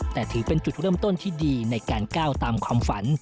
แต่ถือเป็นจุดเริ่มต้นที่ดีในการก้าวตามความฝัน